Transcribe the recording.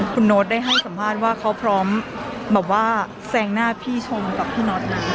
คุณโน๊ตได้ให้สัมภาษณ์ว่าเขาพร้อมแสงหน้าพี่ชมกับพี่โน๊ตเลย